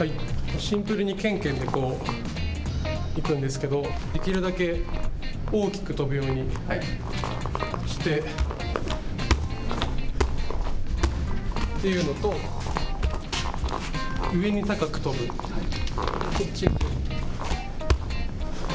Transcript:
シンプルにけんけんで、こう、いくんですけど、できるだけ大きく跳ぶようにして、っていうのと、上に高く跳ぶ、こっち。